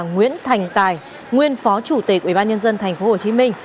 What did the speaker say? nguyễn thành tài nguyên phó chủ tịch ubnd tp hcm